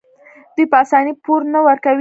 دوی په اسانۍ پور نه ورکوي.